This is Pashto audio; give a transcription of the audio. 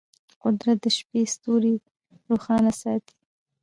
قدرت د شپې ستوري روښانه ساتي.